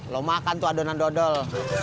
lo makan tuh adonan dodol